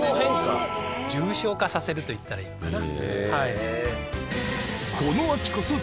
重症化させると言ったらいいのかな？